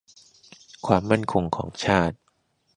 ความมั่นคงของชาติ